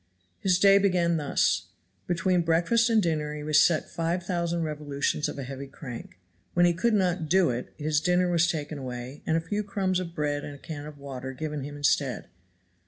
His day began thus: Between breakfast and dinner he was set five thousand revolutions of a heavy crank; when he could not do it his dinner was taken away and a few crumbs of bread and a can of water given him instead.